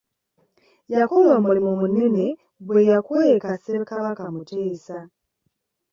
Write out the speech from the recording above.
Yakola omulimu munene bwe yakweka Ssekabaka Muteesa.